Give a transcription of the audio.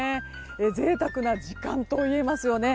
贅沢な時間といえますよね。